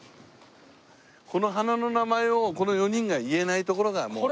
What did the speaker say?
この花の名前をこの４人が言えないところがもうダメ。